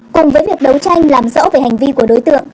cùng với việc đấu tranh làm rõ về hành vi của đối tượng